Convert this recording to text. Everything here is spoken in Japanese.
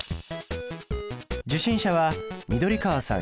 受信者は緑川さん